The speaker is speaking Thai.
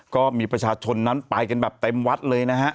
ก็มีประชาชนนั้นไปกันแบบเต็มวัดเลยนะฮะ